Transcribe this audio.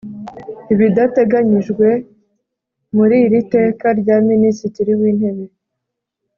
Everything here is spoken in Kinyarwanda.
Ibidateganyijwe muri iri teka rya Minisitiri w Intebe